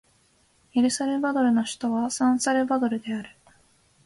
エルサルバドルの首都はサンサルバドルである